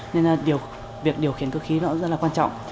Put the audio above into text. nên là việc điều khiển cơ khí nó rất là quan trọng